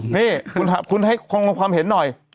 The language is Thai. นี่คุณให้ความเห็นหน่อย